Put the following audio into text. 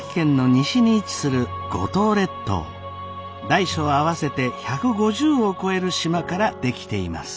大小合わせて１５０を超える島から出来ています。